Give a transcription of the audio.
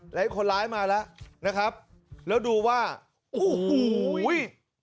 หลายคนไลน์มาแล้วนะครับแล้วดูว่าโอ้โหย